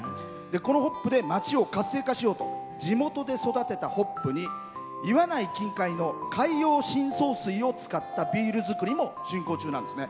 このホップで町を活性化しようと地元で育てたホップに岩内近海の海洋深層水を使ったビール造りも進行中なんです。